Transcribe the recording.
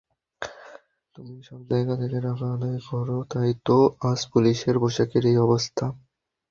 তুমি সব জায়গা থেকে টাকা আদায় করো, তাইতো আজ পুলিশের পোশাকের এই অবস্থা।